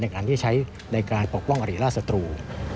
การที่ใช้ในการปกป้องอริราชศัตรู